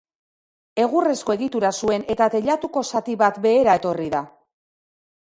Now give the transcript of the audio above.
Egurrezko egitura zuen eta teilatuko zati bat behera etorri da.